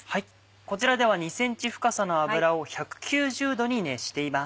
こちらでは２ｃｍ深さの油を１９０℃に熱しています。